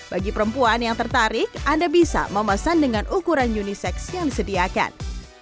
bagi perempuan yang tertarik anda bisa memesan dengan ukuran unisex yang disediakan